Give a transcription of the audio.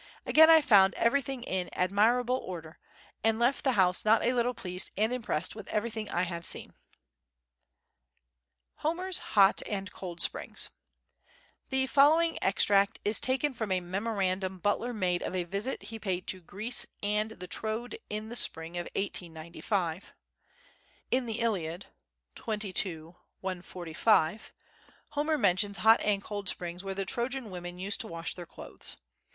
Again I found everything in admirable order, and left the house not a little pleased and impressed with everything I had seen. [1889.] Homer's Hot and Cold Springs The following extract is taken from a memorandum Butler made of a visit he paid to Greece and the Troad in the spring of 1895. In the Iliad (xxii. 145) Homer mentions hot and cold springs where the Trojan women used to wash their clothes.